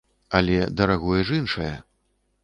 Але дарагое ж іншае.